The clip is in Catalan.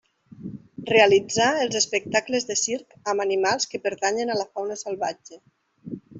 Realitzar els espectacles de circ amb animals que pertanyen a la fauna salvatge.